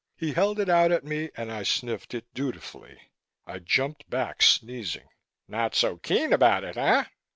He held it out at me and I sniffed it dutifully. I jumped back, sneezing. "Not so keen about it, eh?"